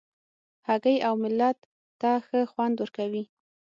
هګۍ اوملت ته ښه خوند ورکوي.